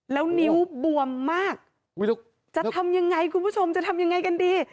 แล้วนิ้วบวมมากจะทำยังไงคุณผู้ชมจะทำยังไงกันดี